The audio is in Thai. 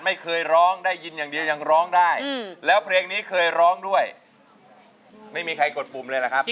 อ๋อนะครับเปลี่ยนเพลงได้จะเปลี่ยนหรือไม่เปลี่ยนครับ